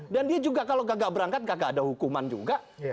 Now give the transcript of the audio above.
dan dia juga kalau gagak berangkat gak ada hukuman juga